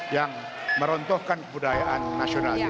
yang merontohkan kebudayaan nasional itu